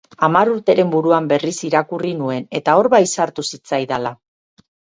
Hamar urteren buruan berriz irakurri nuen, eta hor bai sartu zitzaidala.